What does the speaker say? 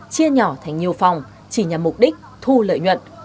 chia nhỏ thành nhiều phòng chỉ nhằm mục đích thu lợi nhuận